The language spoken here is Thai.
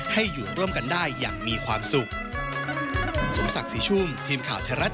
ให้อยู่ร่วมกันได้อย่างมีความสุข